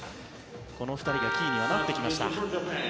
この２人がキーにはなってきました。